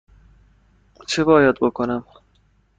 چه باید بکنم؟